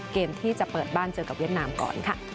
เกมที่จะเปิดบ้านเจอกับเวียดนามก่อนค่ะ